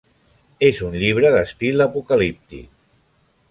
És un llibre d'estil apocalíptic.